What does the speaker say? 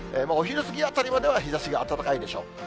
お昼過ぎあたりまでは、日ざしが暖かいでしょう。